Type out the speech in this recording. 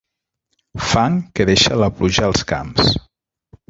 Fang que deixa la pluja als camps.